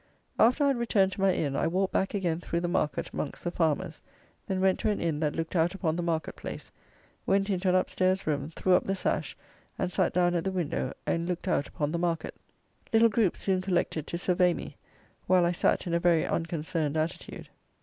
After I had returned to my inn, I walked back again through the market amongst the farmers; then went to an inn that looked out upon the market place, went into an up stairs room, threw up the sash, and sat down at the window, and looked out upon the market. Little groups soon collected to survey me, while I sat in a very unconcerned attitude.